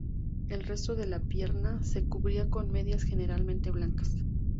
El resto de la pierna se cubría con medias generalmente blancas.